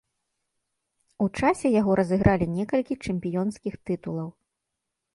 У часе яго разыгралі некалькі чэмпіёнскіх тытулаў.